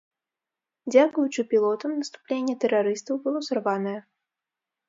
Дзякуючы пілотам наступленне тэрарыстаў было сарванае.